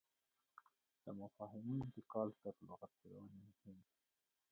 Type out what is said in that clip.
د مفاهیمو انتقال تر لغت جوړونې مهم دی.